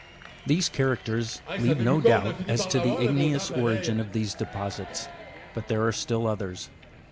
5. These characters leave no doubt as to the igneous origin of these deposits ; but there are still others.